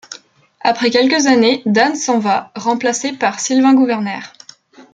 Après quelques années, Dan s'en va, remplacé par Sylvain Gouvernaire.